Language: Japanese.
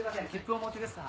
お持ちですか？